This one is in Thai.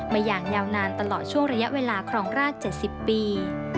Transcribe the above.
อย่างยาวนานตลอดช่วงระยะเวลาครองราช๗๐ปี